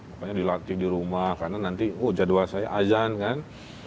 pokoknya dilatih di rumah karena nanti oh jadwal saya azan kan